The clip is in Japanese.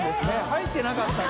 入ってなかった。